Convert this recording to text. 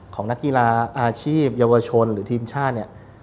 ของนักกีฬาอาชีพเยาวชนหรือทีมชาติ